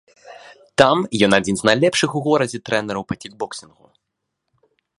Там ён адзін з найлепшых у горадзе трэнераў па кікбоксінгу.